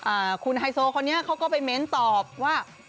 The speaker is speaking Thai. อ่าคุณไฮโซคนนี้เขาก็ไปเม้นตอบว่า